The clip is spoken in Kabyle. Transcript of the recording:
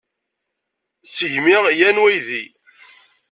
Ssegmiɣ yan waydi.